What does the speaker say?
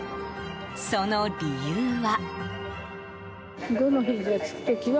その理由は。